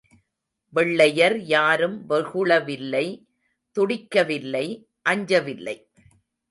வெள்ளையர் யாரும் வெகுளவில்லை, துடிக்கவில்லை, அஞ்சவில்லை.